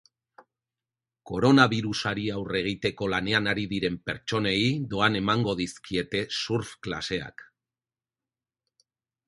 Koronabirusari aurre egiteko lanean ari diren pertsonei doan emango dizkiete surf klaseak.